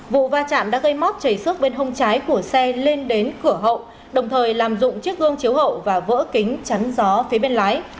vụ va chạm đã gây móc chảy xước bên hông trái của xe lên đến cửa hậu đồng thời làm dụng chiếc gương chiếu hậu và vỡ kính chắn gió phía bên lái